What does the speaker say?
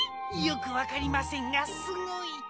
よくわかりませんがすごい！